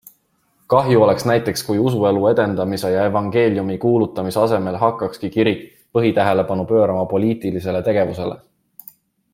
Kahju oleks näiteks, kui usuelu edendamise ja evangeeliumi kuulutamise asemel hakkakski kirik põhitähelepanu pöörama poliitilisele tegevusele.